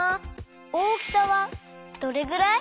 大きさはどれぐらい？